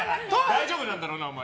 大丈夫なんだろうな？